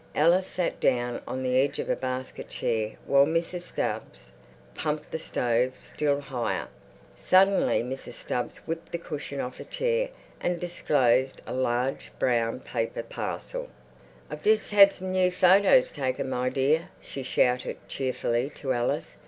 Alice sat down on the edge of a basket chair while Mrs. Stubbs pumped the stove still higher. Suddenly Mrs. Stubbs whipped the cushion off a chair and disclosed a large brown paper parcel. "I've just had some new photers taken, my dear," she shouted cheerfully to Alice.